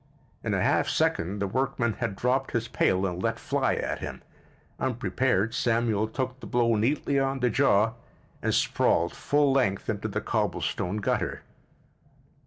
In a half second the workman had dropped his pail and let fly at him. Unprepared, Samuel took the blow neatly on the jaw and sprawled full length into the cobblestone gutter.